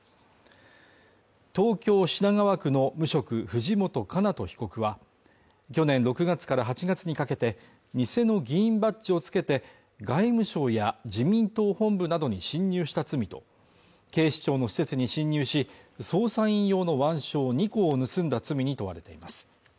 東京品川区の無職藤本叶人被告は、去年６月から８月にかけて、偽の議員バッジをつけて、外務省や自民党本部などに侵入した罪と、警視庁の施設に侵入し、捜査員用の腕章２個を盗んだ罪に問われています。